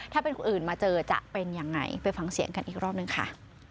ถ้าเป็นคนอื่นมาเจอจะเป็นยังไงไปฟังเสียงกันอีกรอบหนึ่งค่ะ